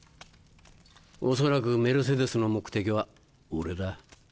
恐らくメルセデスの目的は俺だ。